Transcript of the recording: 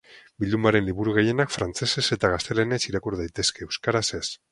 Bildumaren liburu gehienak frantsesez eta gaztelaniaz irakur daitezke; euskaraz ez.